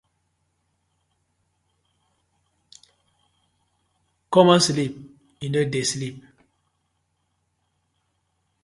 Common sleep yu no dey sleep.